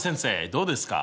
どうですか？